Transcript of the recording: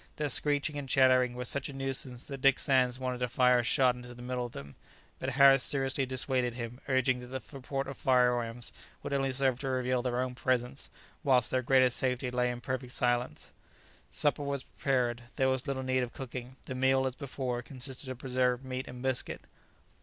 Their screeching and chattering were such a nuisance that Dick Sands wanted to fire a shot into the middle of them, but Harris seriously dissuaded him, urging that the report of firearms would only serve to reveal their own presence, whilst their greatest safety lay in perfect silence. Supper was prepared. There was little need of cooking. The meal, as before, consisted of preserved meat and biscuit.